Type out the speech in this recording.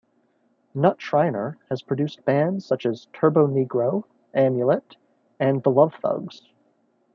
Knut Schreiner has produced bands such as Turbonegro, Amulet and The Lovethugs.